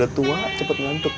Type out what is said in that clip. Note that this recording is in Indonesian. udah tua cepet ngantuk